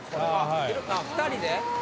２人で？